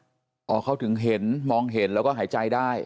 อ๋อเขาถึงเห็นมองเห็นแล้วก็หายใจได้